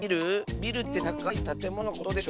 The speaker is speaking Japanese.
ビルってたかいたてもののことでしょ？